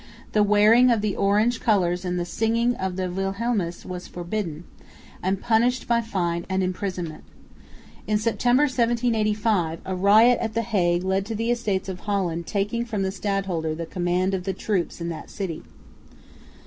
The wearing of the Orange colours and the singing of the Wilhelmus was forbidden, and punished by fine and imprisonment. In September, 1785, a riot at the Hague led to the Estates of Holland taking from the stadholder the command of the troops in that city.